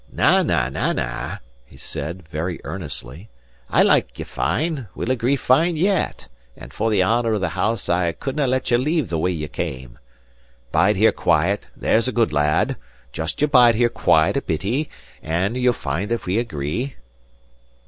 "Na, na; na, na," he said, very earnestly. "I like you fine; we'll agree fine yet; and for the honour of the house I couldnae let you leave the way ye came. Bide here quiet, there's a good lad; just you bide here quiet a bittie, and ye'll find that we agree."